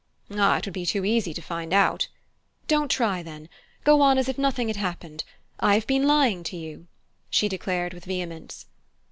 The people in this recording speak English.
"Ah, it would be too easy to find out " "Don't try, then! Go on as if nothing had happened. I have been lying to you," she declared with vehemence.